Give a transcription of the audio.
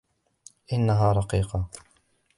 إنها رقيقة.